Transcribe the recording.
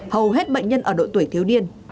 hầu hết bệnh nhân ở đội tuổi thiếu điên